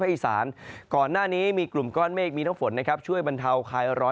อีสานก่อนหน้านี้มีกลุ่มก้อนเมฆมีน้ำฝนนะครับช่วยบรรเทาคลายร้อน